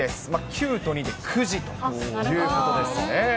９と２でくじということですね。